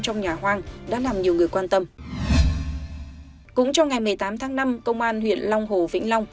trong nhà hoang đã làm nhiều người quan tâm cũng trong ngày một mươi tám tháng năm công an huyện long hồ vĩnh long